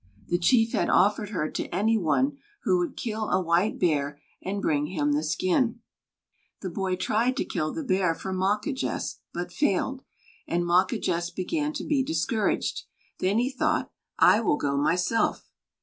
The chief had offered her to any one who would kill a white bear and bring him the skin. The boy tried to kill the bear for Mawquejess, but failed; and Mawquejess began to be discouraged; then he thought: "I will go myself."